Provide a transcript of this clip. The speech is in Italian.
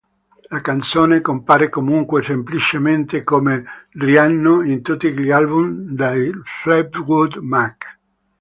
La canzone compare comunque semplicemente come "Rhiannon" in tutti gli album dei Fleetwood Mac.